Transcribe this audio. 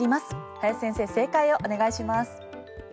林先生、正解をお願いします。